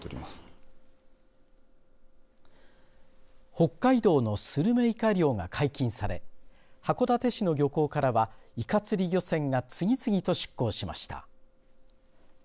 北海道のスルメイカ漁が解禁され函館市の漁港からはいか釣り漁船が次々と出航しました。